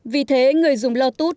vì thế người dùng lotus